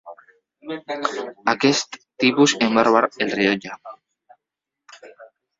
Aquest tipus em va robar el rellotge.